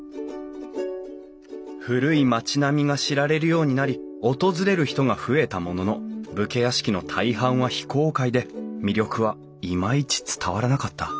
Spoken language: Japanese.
古い町並みが知られるようになり訪れる人が増えたものの武家屋敷の大半は非公開で魅力はイマイチ伝わらなかった。